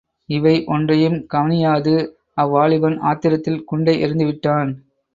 இவை ஒன்றையும் கவனியாது அவ்வாலிபன் ஆத்திரத்தில் குண்டை எரிந்துவிட்டான்.